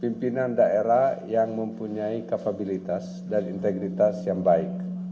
pimpinan daerah yang mempunyai kapabilitas dan integritas yang baik